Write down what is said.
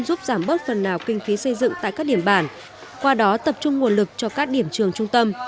giúp giảm bớt phần nào kinh phí xây dựng tại các điểm bản qua đó tập trung nguồn lực cho các điểm trường trung tâm